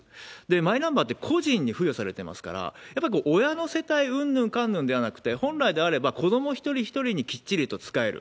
マイナンバーって個人に付与されてますから、やっぱり親の世帯うんぬんかんぬんではなくて、本来であれば、子ども一人一人にきっちりと使える。